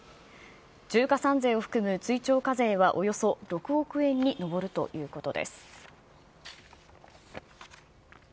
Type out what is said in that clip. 重加算税を含む追徴課税はおよそ６億円に上るということです。